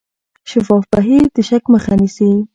شفاف بهیر د شک مخه نیسي.